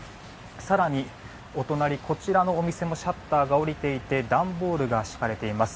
更にお隣、こちらのお店もシャッターが下りていて段ボールが敷かれています。